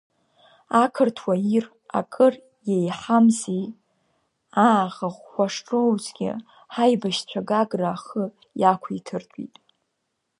Ақырҭуа ир акыр иеиҳамзи, ааха ӷәӷәа шроузгьы, ҳаибашьцәа Гагра ахы иақәиҭыртәит.